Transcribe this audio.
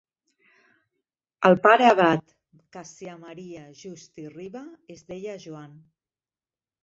El pare abat Cassià Maria Just i Riba es deia Joan.